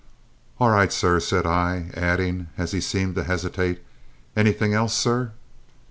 "All right, sir," said I, adding, as he seemed to hesitate, "anything else, sir?"